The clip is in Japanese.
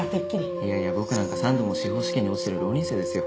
いやいや僕なんか３度も司法試験に落ちてる浪人生ですよ。